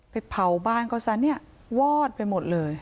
เผาบ้านเขาซะเนี่ยวอดไปหมดเลย